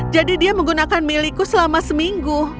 jadi dia menggunakan milikku selama seminggu